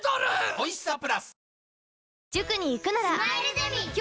おいしさプラス